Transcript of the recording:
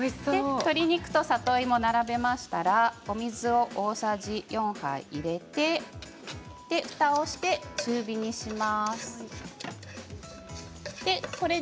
鶏肉と里芋を並べましたらお水大さじ４で、ふたをして中火にします。